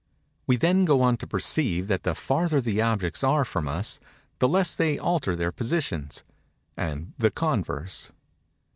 We then go on to perceive that the farther the objects are from us, the less they alter their positions; and the converse.